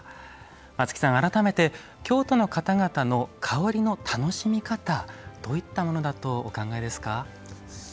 松木さん、改めて京都の方々の香りの楽しみ方どういったものだとお考えですか。